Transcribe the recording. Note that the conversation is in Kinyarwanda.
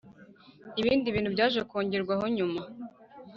Ibindi bintu byaje kongerwaho nyuma